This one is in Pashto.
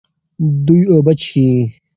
دوی اوبه څښي.